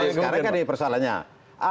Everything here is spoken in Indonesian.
sekarang kan persoalannya